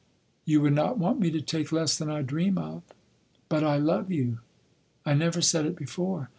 "You would not want me to take less than I dream of?" "But I love you. I never said it before.